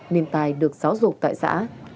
nên tài được xáo ruột tại xã